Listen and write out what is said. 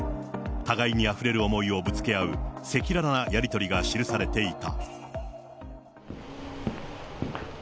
互いにあふれる思いをぶつけ合う、赤裸々なやり取りが記されていた。